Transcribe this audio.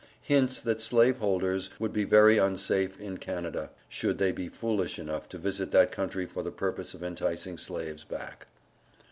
Hints that slaveholders would be very unsafe in Canada, should they be foolish enough to visit that country for the purpose of enticing slaves back_.